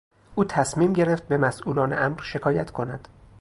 او تصمیم گرفت به مسئولان امر شکایت کند.